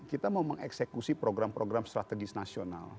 kita mau mengeksekusi program program strategis nasional